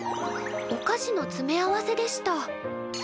おかしのつめ合わせでした。